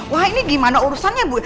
wah ini gimana urusannya bu